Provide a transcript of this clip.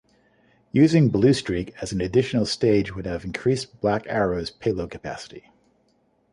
Using Blue Streak as an additional stage would have increased Black Arrow's payload capacity.